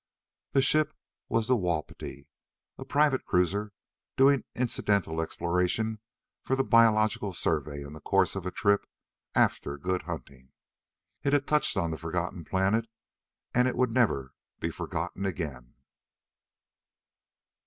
The ship was the Wapiti, a private cruiser doing incidental exploration for the Biological Survey in the course of a trip after good hunting. It had touched on the forgotten planet, and it would never be forgotten again.